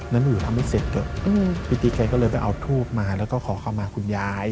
หนูทำให้เสร็จเถอะพี่ติ๊กแกก็เลยไปเอาทูบมาแล้วก็ขอเข้ามาคุณยาย